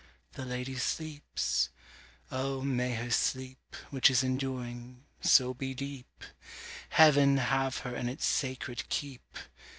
The lady sleeps! Oh, may her sleep, Which is enduring, so be deep! Heaven have her in its sacred keep!